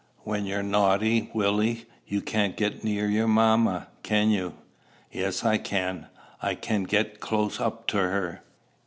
When you're naughty, Willie, you can't get near your mamma, can you?" "Yes, I can. I can get close up to her."